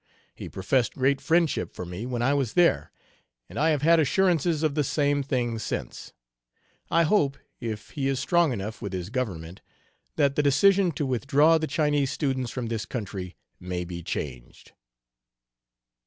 He professed great friendship for me when I was there, and I have had assurances of the same thing since. I hope, if he is strong enough with his government, that the decision to withdraw the Chinese students from this country may be changed."